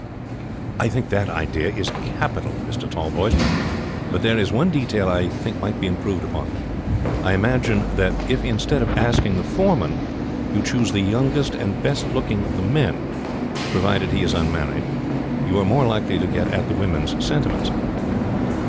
"I think the idea is a capital one, Mr. Tallboys; but there is one detail I think might be improved. I imagine that if instead of asking the foreman you choose the youngest and best looking of the men, provided he is unmarried, you are more likely to get at the women's sentiments."